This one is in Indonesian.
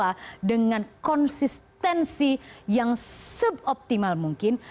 yang dikelola dengan konsistensi yang suboptimal mungkin